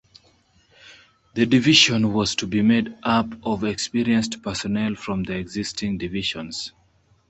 The division was to be made up of experienced personnel from the existing divisions.